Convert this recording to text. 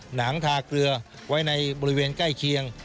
หนังทาเกลือไว้ในบริเวณใกล้เคียง